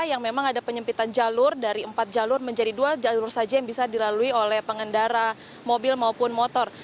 yang memang ada penyempitan jalur dari empat jalur menjadi dua jalur saja yang bisa dilalui oleh pengendara mobil maupun motor